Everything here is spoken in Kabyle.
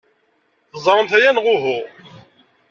Teẓramt aya, neɣ uhu?